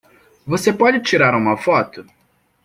Você pode tirar uma foto?